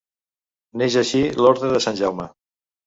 Neix així l'Orde de Sant Jaume.